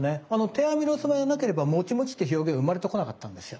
低アミロース米がなければモチモチって表現生まれてこなかったんですよ。